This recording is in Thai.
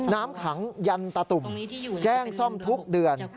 น้ำขังยันตะตุ่มแจ้งซ่อมทุกเดือน